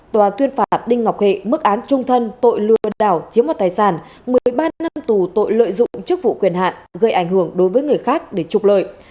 tòa tuyên phạt đinh ngọc hệ mức án trung thân tội lừa đảo chiếm mặt tài sản một mươi ba năm tù tội lợi dụng chức vụ quyền hạn gây ảnh hưởng đối với người khác để trục lợi